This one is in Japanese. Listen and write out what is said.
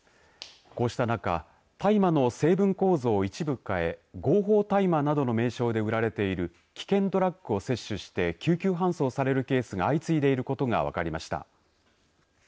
こうした中大麻の成分構造を一部変え合法大麻などの名称で売られている危険ドラッグを摂取して救急搬送されるケースが相次いでいることが分かりました。